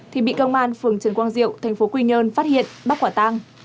thì bị công an phường trần quang diệu thành phố quy nhơn phát hiện bắt quả tang